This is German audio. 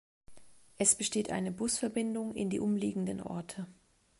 Es besteht eine Busverbindung in die umliegenden Orte.